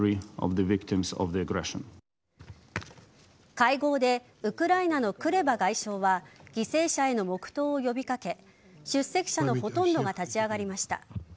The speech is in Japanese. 会合でウクライナのクレバ外相は犠牲者への黙とうを呼び掛け出席者のほとんどが立ち上がりました。